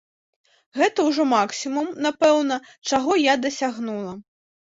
Гэта ўжо максімум, напэўна, чаго я дасягнула.